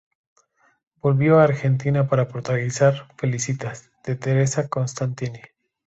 Volvió a Argentina para protagonizar "Felicitas", de Teresa Costantini.